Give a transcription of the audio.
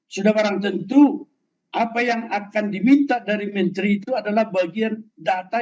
sudah barang tentu apa yang akan diminta dari menteri itu adalah bagian data